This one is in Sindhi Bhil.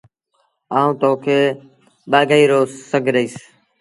آئوٚݩ تو کي ٻآگھيٚ رو سنڱ ڏئيٚس ۔